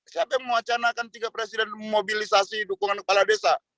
siapa yang mewacanakan tiga presiden memobilisasi dukungan kepala desa